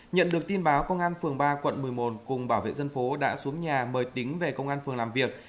nhận được tin báo công an phường ba quận một mươi một cùng bảo vệ dân phố đã xuống nhà mời tính về công an phường làm việc